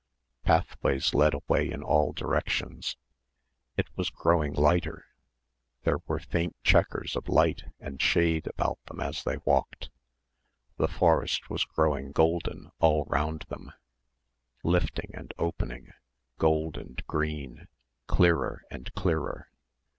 Pathways led away in all directions. It was growing lighter. There were faint chequers of light and shade about them as they walked. The forest was growing golden all round them, lifting and opening, gold and green, clearer and clearer.